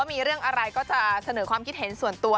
มีเรื่องอะไรก็จะเสนอความคิดเห็นส่วนตัว